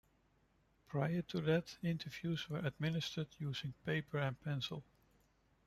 Prior to that, interviews were administered using paper and pencil.